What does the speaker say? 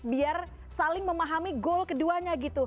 biar saling memahami goal keduanya gitu